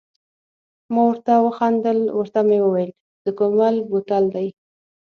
ما ورته و خندل، ورته مې وویل د کومل بوتل دی.